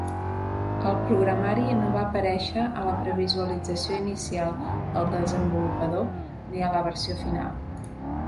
El programari no va aparèixer a la previsualització inicial del desenvolupador ni a la versió final.